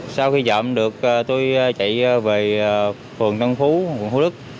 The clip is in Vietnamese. sau khi trộm được tôi chạy về phường tân phú phường hồ đức